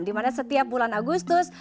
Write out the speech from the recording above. di mana setiap bulan agustus